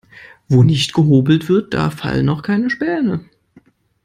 Wo nicht gehobelt wird, da fallen auch keine Späne.